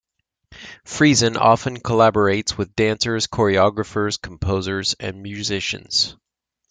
Friesen often collaborates with dancers, choreographers, composers and musicians.